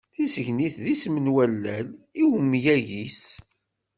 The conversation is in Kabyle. Tisegnit d isem n wallal, i umyag-is?